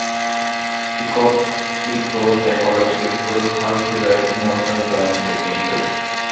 Ecopsychology explores how to develop emotional bonds with nature.